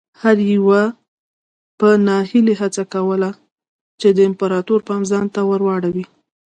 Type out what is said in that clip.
هر یوه په ناهیلۍ هڅه کوله چې د امپراتور پام ځان ته ور واړوي.